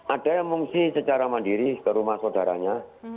ada yang mengungsi secara mandiri ke rumah saudaranya